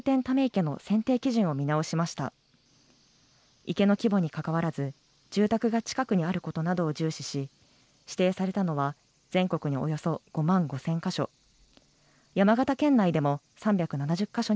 池の規模に関わらず、住宅が近くにあることなどを重視し、指定されたのは全国におよそ５万５０００か所。